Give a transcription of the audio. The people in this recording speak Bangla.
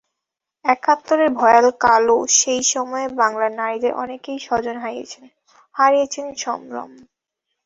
একাত্তরের ভয়াল কালো সেই সময়ে বাংলার নারীদের অনেকেই স্বজন হারিয়েছেন, হারিয়েছেন সম্ভ্রম।